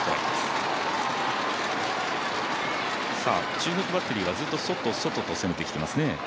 中国バッテリーはずっと外、外と攻めてきてますね。